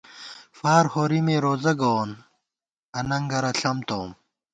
فار ہورِمے روزہ گووون اننگرہ ݪم تَوُم